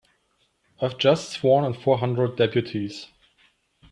I've just sworn in four hundred deputies.